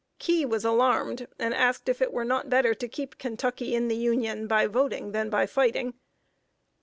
Key was alarmed, and asked if it were not better to keep Kentucky in the Union by voting, than by fighting.